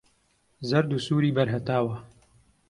زەرد و سووری بەر هەتاوە